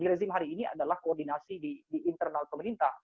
rezim hari ini adalah koordinasi di internal pemerintah